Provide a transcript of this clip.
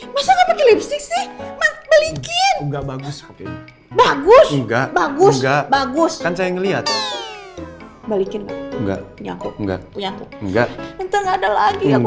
masih bagus itu balikin dulu